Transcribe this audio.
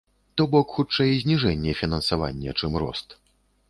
То бок, хутчэй, зніжэнне фінансавання, чым рост.